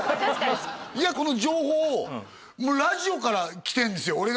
確かにいやこの情報ラジオからきてんですよ